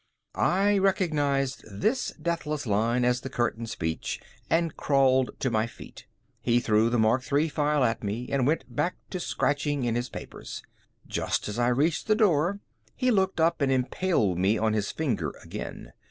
I recognized this deathless line as the curtain speech and crawled to my feet. He threw the Mark III file at me and went back to scratching in his papers. Just as I reached the door, he looked up and impaled me on his finger again.